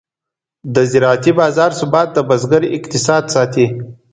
د زراعتي بازار ثبات د بزګر اقتصاد ساتي.